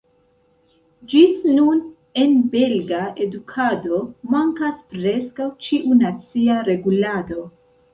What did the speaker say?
Ĝis nun en belga edukado mankas preskaŭ ĉiu nacia regulado.